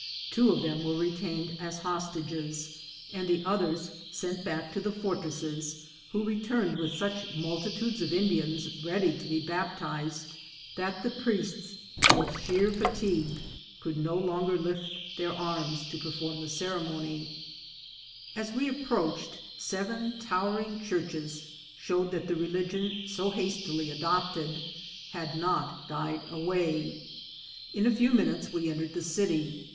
Two of them were retained as hostages, and the others sent back to the fortresses, who returned with such multitudes of Indians ready to be baptized, that the priests, from sheer fatigue, could no longer lift their arms to perform the ceremony. 204 INCIDENTS OP TRAVEL. As we approached, seven towering churches showed that the religion so hastily adopted had not died away. In a few minutes we entered the city.